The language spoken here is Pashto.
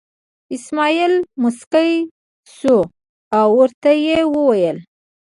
اسمعیل موسکی شو او ورته یې وویل.